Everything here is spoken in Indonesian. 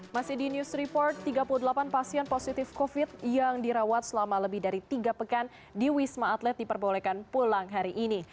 masih di news report tiga puluh delapan pasien positif covid yang dirawat selama lebih dari tiga pekan di wisma atlet diperbolehkan pulang hari ini